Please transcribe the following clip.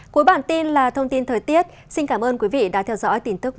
cuối bản tin là thông tin thời tiết xin cảm ơn quý vị đã theo dõi tin tức một mươi sáu h